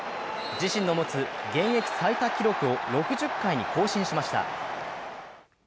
自身の持つ現役最多記録を６０回に更新しました。